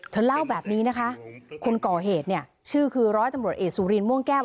เธอเล่าแบบนี้นะคะคนก่อเหตุเนี่ยชื่อคือร้อยตำรวจเอกสุรินม่วงแก้ว